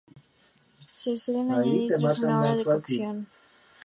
Se suelen añadir tras una hora de cocción.